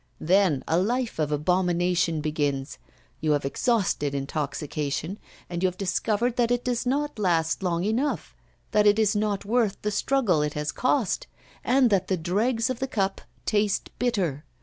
Then a life of abomination begins; you have exhausted intoxication, and you have discovered that it does not last long enough, that it is not worth the struggle it has cost, and that the dregs of the cup taste bitter.